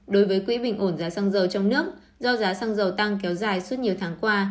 đối với quỹ bình ổn giá xăng dầu trong nước do giá xăng dầu tăng kéo dài suốt nhiều tháng qua